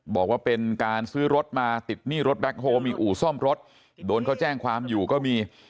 บอกว่าเป็นการซื้อรถมาติดหนี้รถแบ็คโฮมีอู่ซ่อมรถโดนเขาแจ้งความอยู่ก็มี